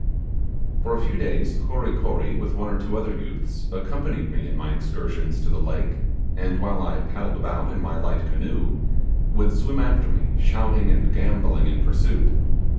For a few days, Kory Kory, with one or two other youths, accompanied me in my excursions to the lake, and while I paddled about in my light canoe, would swim after me shouting and gambolling in pursuit.